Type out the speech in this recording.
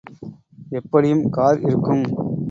எப்படியும் கார் இருக்கும்.